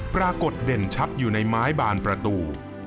ปรากฏเด่นชัดอยู่ในไม้บานประตู